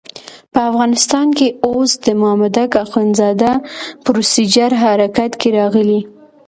په افغانستان کې اوس د مامدک اخندزاده پروسیجر حرکت کې راغلی.